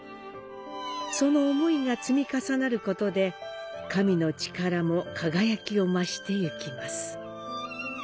その想いが積み重なることで神の力も輝きを増してゆきます。